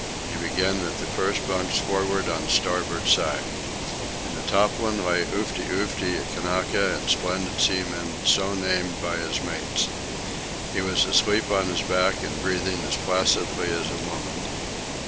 He began at the first bunks forward on the star board side. In the top one lay Oofty Oofty, a Kanaka and splendid seaman, so named by his mates. He was asleep on his back and breathing as placidly as a woman.